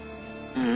うん。